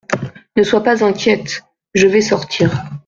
Ne sois pas inquiète, je vais sortir.